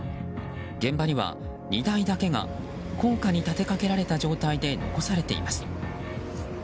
現場には荷台だけが高架に立てかけられた状態で残されています。